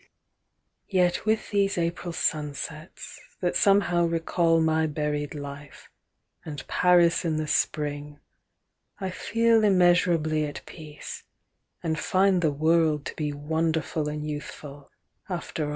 "Yet with these April sunsets, that somehow recall My buried life, and Paris in the Spring, I feel immeasurably at peace, and find the world To be wonderful and youthful, after all."